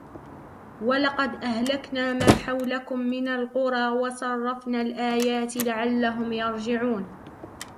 ولقد أهلكنا ما حولكم من القرى وصرفنا الآيات لعلهم يرجعون